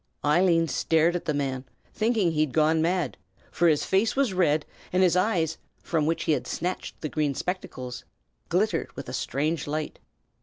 Eileen stared at the man, thinking he had gone mad; for his face was red, and his eyes, from which he had snatched the green spectacles, glittered with a strange light.